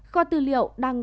kho tư liệu đăng